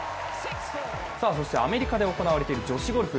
そしてアメリカで行われている女子ゴルフ。